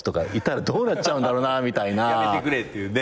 やめてくれっていうね。